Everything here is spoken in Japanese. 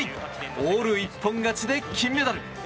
オール一本勝ちで金メダル。